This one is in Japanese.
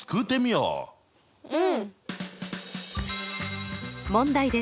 うん。